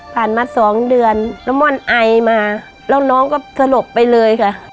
ผ่านมา๒เดือนแล้วม่อนไอมาแล้วน้องก็สลบไปเลยค่ะ